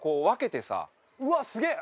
うわっすげえ！